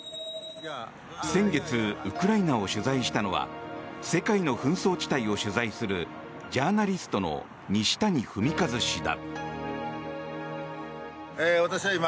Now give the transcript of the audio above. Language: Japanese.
先月、ウクライナを取材したのは世界の紛争地帯を取材するジャーナリストの西谷文和氏だ。